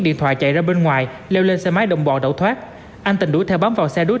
điện thoại chạy ra bên ngoài leo lên xe máy đồng bọ đẩu thoát anh tình đuổi theo bám vào xe đối